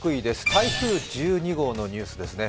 台風１２号のニュースですね。